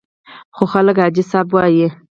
خو خلک حاجي صاحب وایي.